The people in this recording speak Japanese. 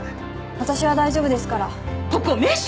私は大丈夫ですからここ名所？